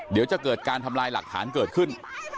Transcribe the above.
เดี๋ยวจะเกิดการทำลายหลักฐานเกิดขึ้น